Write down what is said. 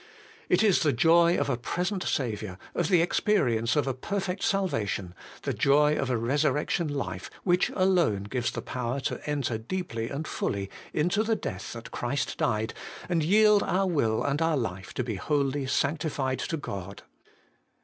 It is the joy of a Present Saviour, of the experience of a perfect salvation, the joy of a resurrection life, which alone gives the power to enter deeply and fully into the death that Christ died, and yield our will and our life to be wholly sanctified to God.